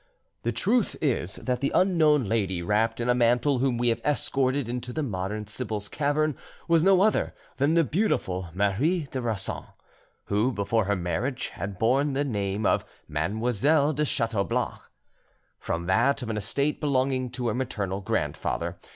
The truth is that the unknown lady wrapped in a mantle whom we have escorted into the modern sibyl's cavern was no other than the beautiful Marie de Rossan, who before her marriage had borne the name of Mademoiselle de Chateaublanc, from that of an estate belonging to her maternal grandfather, M.